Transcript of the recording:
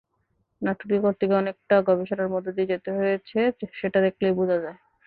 নাটকটি করতে গিয়ে অনেকটা গবেষণার মধ্য দিয়ে যেতে হয়েছে—সেটা দেখলেই বোঝা যায়।